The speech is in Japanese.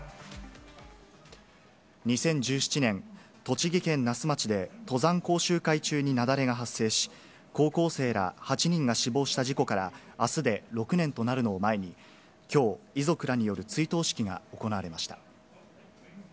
２０１７年、栃木県那須町で登山講習会中に雪崩が発生し、高校生ら８人が死亡した事故から、あすで６年となるのを前に、きょう、遺族らによる追悼式が行われました。